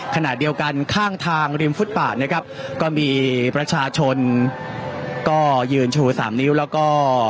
ขณะเดียวกันข้างทางริมฟุตบาทนะครับก็มีประชาชนก็ยืนชูสามนิ้วแล้วก็